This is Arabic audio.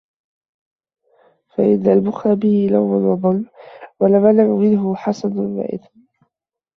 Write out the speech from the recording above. فَإِنَّ الْبُخْلَ بِهِ لَوْمٌ وَظُلْمٌ ، وَالْمَنْعُ مِنْهُ حَسَدٌ وَإِثْمٌ